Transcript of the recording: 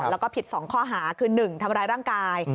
แล้วก็ผิด๒ข้อหาคือ๑ทำร้ายร่างกาย